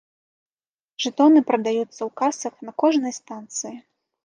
Жэтоны прадаюцца ў касах на кожнай станцыі.